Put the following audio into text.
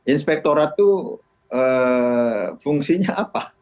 inspektorat itu fungsinya apa